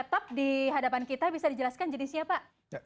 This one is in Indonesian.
dua laptop di hadapan kita bisa dijelaskan jenisnya apa